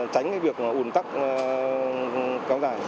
tránh việc ủn tắc có dài